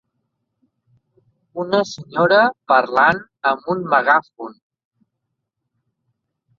Una senyora parlant amb un megàfon.